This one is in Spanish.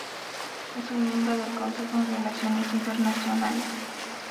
Es una miembro del Consejo en Relaciones Internacionales.